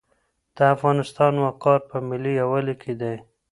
د افغانستان وقار په ملي یووالي کي دی.